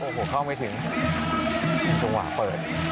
โอ้โหเข้าไม่ถึงจังหวะเปิด